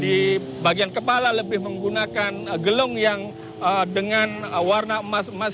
di bagian kepala lebih menggunakan gelung yang dengan warna emas emas